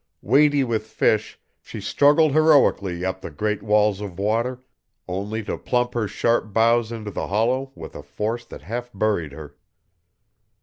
Weighty with fish, she struggled heroically up the great walls of water, only to plump her sharp bows into the hollow with a force that half buried her.